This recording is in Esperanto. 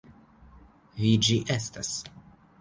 Vi ĝi estas!